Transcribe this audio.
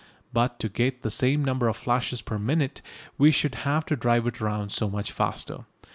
But to get the same number of flashes per minute we should have to drive it round so much the faster.